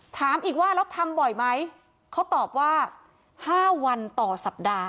ถามอีกว่าแล้วทำบ่อยไหมเขาตอบว่า๕วันต่อสัปดาห์